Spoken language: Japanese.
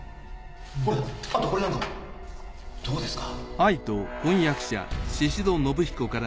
ほらあとこれなんかどうですか？